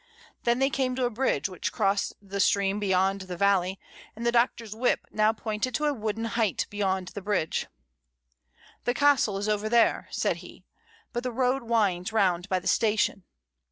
Then they came to a bridge which crossed the stream beyond the valley, and the Doctor's whip now pointed to a wooden height beyond the bridge. IN A GIG. 27 "The Castle is over there," said he, "but the road winds round by the station."